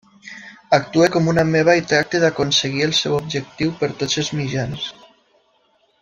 Actua com una ameba i tracta d'aconseguir el seu objectiu per tots els mitjans.